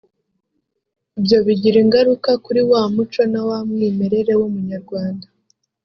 ibyo bigira ingaruka kuri wa muco na wa mwimerere w’Umunyarwanda